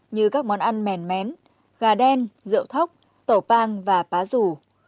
như các món ăn mèn mén gà đen rượu thóc tổ pang và pá rủ